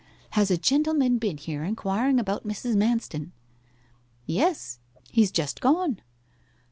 'Has a gentleman been here inquiring about Mrs. Manston?' 'Yes; he's just gone.